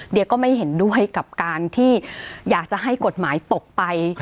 เดี๋ยวก็ไม่เห็นด้วยกับการที่อยากจะให้กฎหมายตกไป